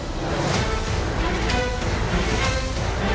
ก็ต้องชมเชยเขาล่ะครับเดี๋ยวลองไปดูห้องอื่นต่อนะครับ